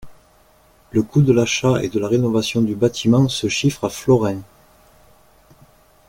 Le coût de l'achat et de la rénovation du bâtiment se chiffre à florins.